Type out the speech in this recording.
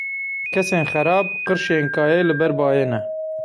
Kesên xerab, qirşên kayê li ber bayê ne.